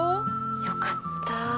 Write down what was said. ☎よかった。